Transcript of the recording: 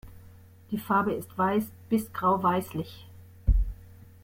Die Farbe ist weiß bis grau-weißlich.